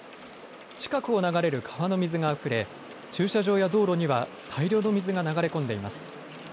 近くを流れる川の水があふれ駐車場や道路には大量の水が流れ込んでいます。